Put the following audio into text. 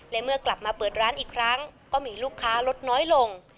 และเมื่อกลับมาเปิดร้านอีกครั้งก็มีลูกค้าลดน้อยลง